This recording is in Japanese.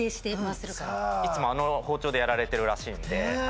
いつもあの包丁でやられてるらしいんで。